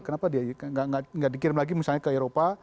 kenapa dia nggak dikirim lagi misalnya ke eropa